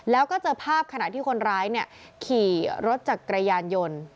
แล้วก็เจอภาพขณะที่คนร้ายขี่รถจักรยานยนต์